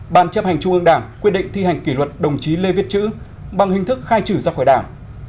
ban chấp hành trung ương đảng quy định thi hành kỷ luật đồng chí lê viết chữ bằng hình thức khai trừ ra khỏi đảng